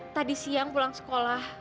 tadi siang pulang sekolah